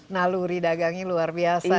nah luri dagangi luar biasa